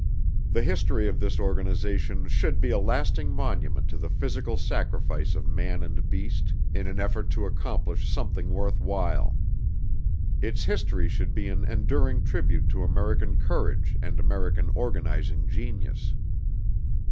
The history of this organization should be a lasting monument to the physical sacrifice of man and beast in an effort to accomplish something worth while. Its history should be an enduring tribute to American courage and American organizing genius.